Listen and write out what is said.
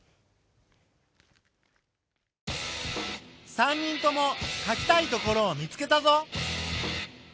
３人ともかきたいところを見つけたぞ。